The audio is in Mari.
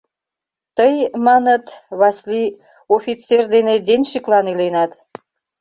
— Тый, маныт, Васли, офицер дене денщиклан иленат.